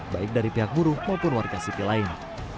baik dari pihak buruh maupun warga sipil lain